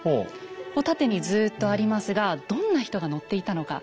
こう縦にずっとありますがどんな人が乗っていたのか。